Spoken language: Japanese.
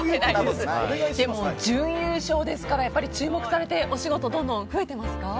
準優勝ですからやっぱり注目されてお仕事、どんどん増えていますか。